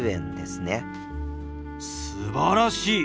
すばらしい！